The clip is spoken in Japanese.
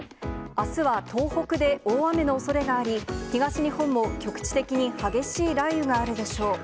あすは東北で大雨のおそれがあり、東日本も局地的に激しい雷雨があるでしょう。